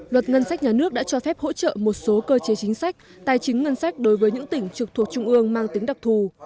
luật ngân sách nhà nước đã cho phép hỗ trợ một số cơ chế chính sách tài chính ngân sách đối với những tỉnh trực thuộc trung ương mang tính đặc thù